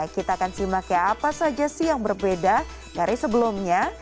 kita akan simak ya apa saja sih yang berbeda dari sebelumnya